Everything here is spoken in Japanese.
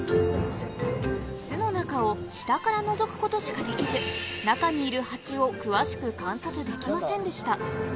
巣の中を下からのぞくことしかできず中にいるハチを詳しく観察できませんでした